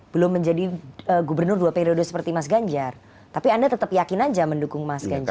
belum menjadi gubernur dua periode seperti mas ganjar tapi anda tetap yakin aja mendukung mas ganjar